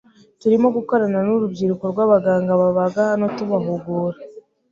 turimo gukorana n’urubyiruko rw’abaganga babaga hano tubahugura,